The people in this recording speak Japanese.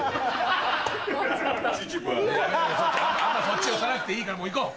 そっち押さなくていいから行こう！